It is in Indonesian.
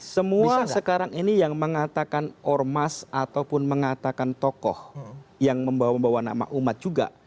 semua sekarang ini yang mengatakan ormas ataupun mengatakan tokoh yang membawa bawa nama umat juga